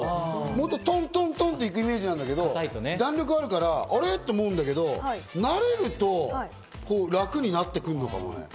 もう少しトントントンと行く感じなんだけど、弾力があるから、あれ？っと思うんだけど慣れると楽になってくるのかな、これ。